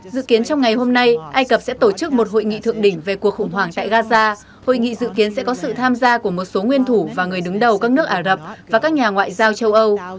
dự kiến trong ngày hôm nay ai cập sẽ tổ chức một hội nghị thượng đỉnh về cuộc khủng hoảng tại gaza hội nghị dự kiến sẽ có sự tham gia của một số nguyên thủ và người đứng đầu các nước ả rập và các nhà ngoại giao châu âu